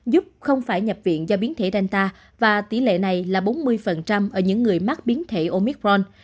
giúp không phải nhập viện do biến thể danta và tỷ lệ này là bốn mươi ở những người mắc biến thể omicron